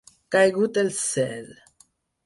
Caigut del cel.